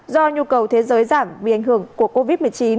do nhu cầu thế giới giảm vì ảnh hưởng của covid một mươi chín